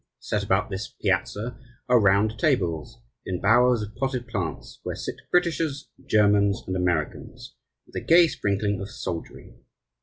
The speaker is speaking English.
Set about this piazza are round tables, in bowers of potted plants, where sit Britishers, Germans, and Americans, with a gay sprinkling of soldiery.